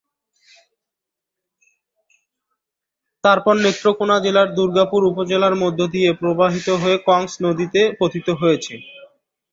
তারপর নেত্রকোণা জেলার দুর্গাপুর উপজেলার মধ্য দিয়ে প্রবাহিত হয়ে কংস নদীতে পতিত হয়েছে।